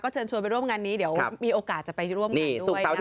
เชิญชวนไปร่วมงานนี้เดี๋ยวมีโอกาสจะไปร่วมงานด้วยนะคะ